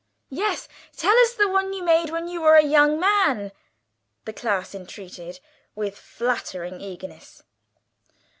"Yes; tell us the one you made when you were a young man," the class entreated, with flattering eagerness.